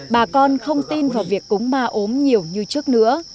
bà con không tin vào việc cúng ma ốm nhiều như trước nữa